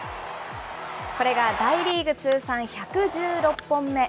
これが大リーグ通算１１６本目。